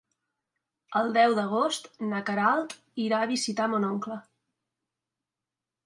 El deu d'agost na Queralt irà a visitar mon oncle.